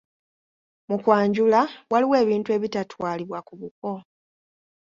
"Mu kwanjula, waliwo ebintu ebitatwalibwa ku buko."